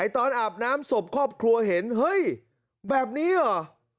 ตอนอาบน้ำศพครอบครัวเห็นเฮ้ยแบบนี้เหรอ